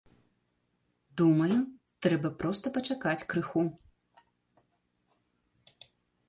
Думаю, трэба проста пачакаць крыху.